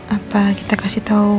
apa kita kasih tau